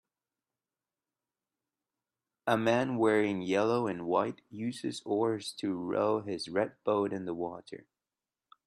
A man wearing yellow and white uses oars to row his red boat in the water.